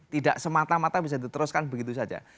tidak semata mata bisa diteruskan begitu saja